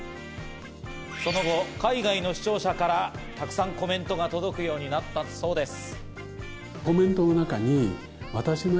その後、海外の視聴者からたくさんコメントが届くようになったそうです。